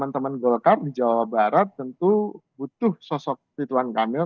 teman teman golkar di jawa barat tentu butuh sosok ridwan kamil